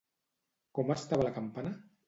Com estava la campana?